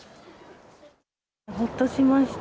ほっとしました。